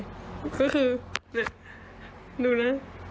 ก็คือเนี่ยดูนะ